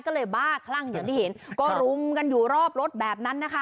ก็เลยบ้าคลั่งอย่างที่เห็นก็รุมกันอยู่รอบรถแบบนั้นนะคะ